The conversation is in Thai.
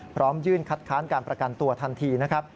พร้อมยื่นคัดค้านการประกันตัวทันทีนะครับ